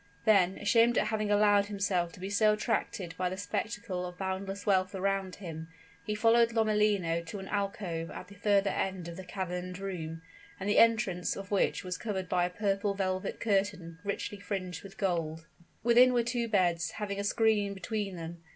Then, ashamed at having allowed himself to be so attracted by the spectacle of boundless wealth around him, he followed Lomellino to an alcove at the further end of the caverned room, and the entrance of which was covered by a purple velvet curtain, richly fringed with gold. Within were two beds, having a screen between them.